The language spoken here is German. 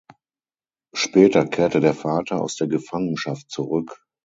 Später kehrte der Vater aus der Gefangenschaft zurück.